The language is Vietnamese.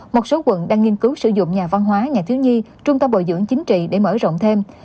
một số quận đang nghiên cứu sử dụng nhà văn hóa nhà thiếu nhi trung tâm bồi dưỡng chính trị để mở rộng thêm